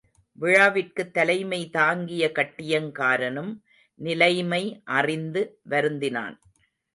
விழாவிற்குத் தலைமை தாங்கிய கட்டியங்காரனும் நிலைமை அறிந்து வருந்தினான்.